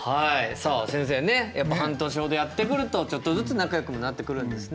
さあ先生ねやっぱ半年ほどやってくるとちょっとずつ仲よくもなってくるんですね。